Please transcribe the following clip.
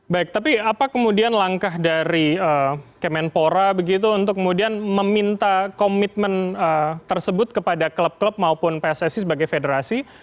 baik tapi apa kemudian langkah dari kemenpora begitu untuk kemudian meminta komitmen tersebut kepada klub klub maupun pssi sebagai federasi